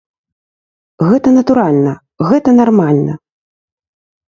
Гэта натуральна, гэта нармальна.